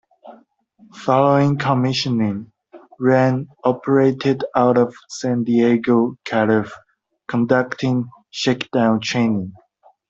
Following commissioning, "Wren" operated out of San Diego, Calif. conducting shakedown training.